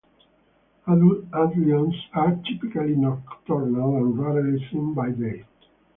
Adult antlions are typically nocturnal, and rarely seen by day.